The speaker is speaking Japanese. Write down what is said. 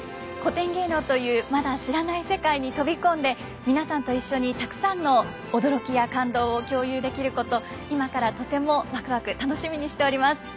古典芸能というまだ知らない世界に飛び込んで皆さんと一緒にたくさんの驚きや感動を共有できること今からとてもワクワク楽しみにしております。